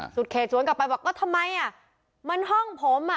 สุดเขตสวนกลับไปบอกก็ทำไมอ่ะมันห้องผมอ่ะ